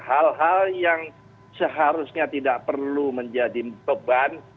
hal hal yang seharusnya tidak perlu menjadi beban